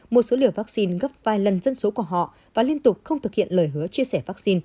một số liều vaccine gấp vài lần dân số của họ và liên tục không thực hiện lời hứa chia sẻ vaccine